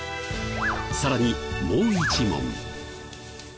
さらにもう一問。